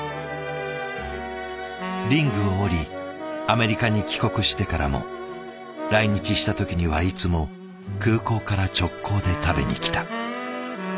リングを降りアメリカに帰国してからも来日した時にはいつも空港から直行で食べに来た。